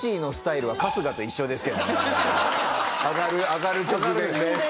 上がる直前で。